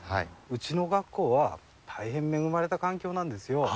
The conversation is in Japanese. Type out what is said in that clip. うちの学校は、大変恵まれた環境なんですよ。